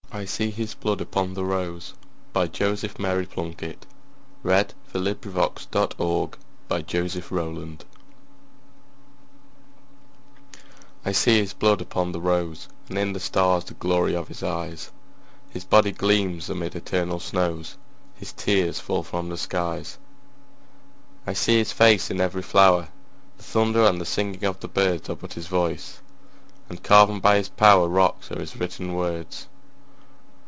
ok of English Mystical Verse. 1917. Joseph Mary Plunkett (1887–1916) 342. I see His Blood upon the Rose I SEE his blood upon the roseAnd in the stars the glory of his eyes, His body gleams amid eternal snows, His tears fall from the skies.I see his face in every flower; The thunder and the singing of the birdsAre but his voice—and carven by his powerRocks are his written words.